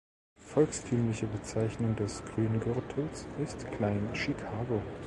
Volkstümliche Bezeichnung des Grüngürtels ist Klein-Chicago.